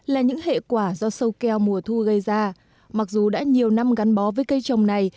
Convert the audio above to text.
là những hệ quả do sâu keo mùa thu gây ra mặc dù đã nhiều năm gắn bó với cây trồng này